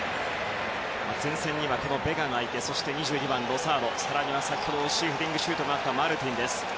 前線にはベガがいてそして２２番のロサーノ更に先ほど惜しいヘディングシュートのあったマルティン。